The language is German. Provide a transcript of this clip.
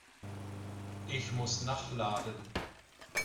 Ich muss nachladen.